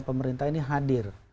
pemerintah ini hadir